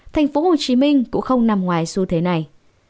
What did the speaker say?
tp hcm cũng không nằm ngoài xu thế này